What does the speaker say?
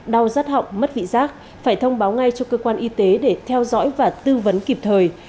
đau rắt họng mất vị giác phải thông báo ngay cho cơ quan y tế để theo dõi và tư vấn kịp thời